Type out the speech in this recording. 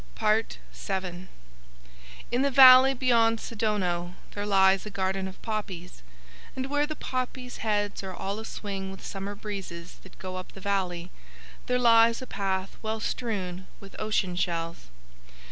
VII In the valley beyond Sidono there lies a garden of poppies, and where the poppies' heads are all a swing with summer breezes that go up the valley there lies a path well strewn with ocean shells.